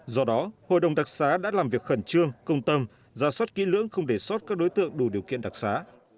do đó hội đồng đặc xá đã làm việc khẩn trương công tâm ra soát kỹ lưỡng không để sót các đối tượng đủ điều kiện đặc xá